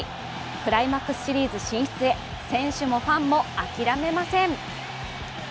クライマックスシリーズ進出へ選手もファンも諦めません。